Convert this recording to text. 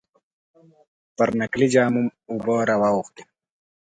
پر نکلي جام اوبه را واوښتې.